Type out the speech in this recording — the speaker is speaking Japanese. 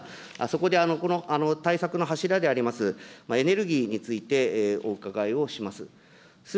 そこでこの対策の柱であります、エネルギーについてお伺いをします。